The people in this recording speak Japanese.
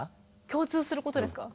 共通することですか？